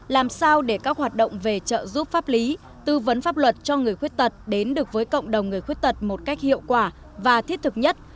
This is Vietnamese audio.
làm sao để các hoạt động về trợ giúp pháp lý tư vấn pháp luật cho người khuyết tật đến được với cộng đồng người khuyết tật một cách hiệu quả và thiết thực nhất